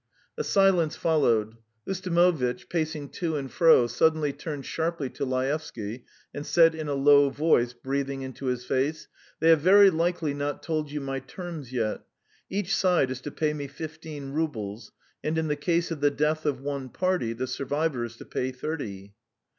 A silence followed. Ustimovitch, pacing to and fro, suddenly turned sharply to Laevsky and said in a low voice, breathing into his face: "They have very likely not told you my terms yet. Each side is to pay me fifteen roubles, and in the case of the death of one party, the survivor is to pay thirty."